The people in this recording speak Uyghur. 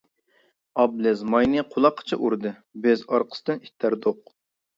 ئابلىز ماينى قۇلاققىچە ئۇردى، بىز ئارقىسىدىن ئىتتەردۇق.